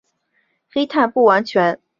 黑碳不完全燃烧和氧化形成的产物。